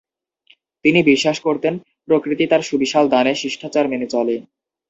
তিনি বিশ্বাস করতেন প্রকৃতি তার সুবিশাল দানে শিষ্টাচার মেনে চলে।